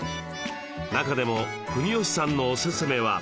中でも国吉さんのおすすめは。